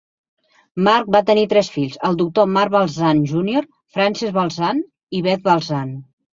Marc va tenir tres fills: el doctor Marc Baltzan Junior, Frances Baltzan i Beth Baltzan.